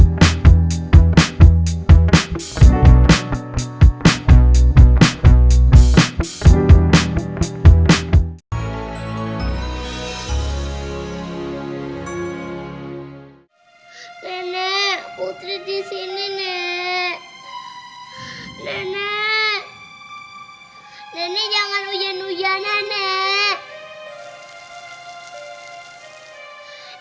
hai hai hai nenek putri disini nek nenek nenek jangan ujan ujan nenek